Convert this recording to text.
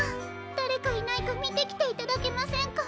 だれかいないかみてきていただけませんか？